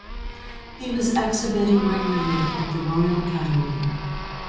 He was exhibiting regularly at the Royal Academy.